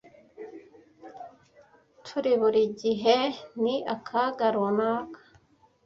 Turi burigihe ni akaga runaka.